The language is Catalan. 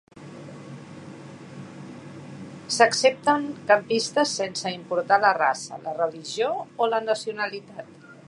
S'accepten campistes sense importar la raça, la religió o la nacionalitat.